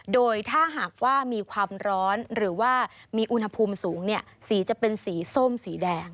โดยถ้าหากว่ามีความร้อนหรือว่ามีอุณหภูมิสูงสีจะเป็นสีส้มสีแดง